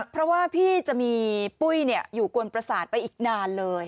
เพราะว่าพี่จะมีปุ้ยอยู่กวนประสาทไปอีกนานเลย